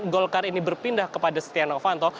golkar ini berpindah kepada setia novanto